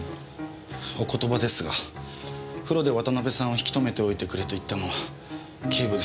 お言葉ですが風呂で渡辺さんを引き留めておいてくれと言ったのは警部ですよ。